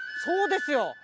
そうですよ。